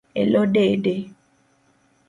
Elo dede